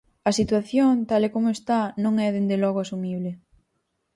A situación, tal e como está, non é, dende logo, asumible.